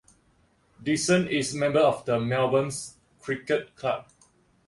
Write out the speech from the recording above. Dixon is member of the Melbourne Cricket Club.